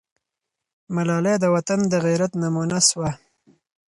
ملالۍ د وطن د غیرت نمونه سوه.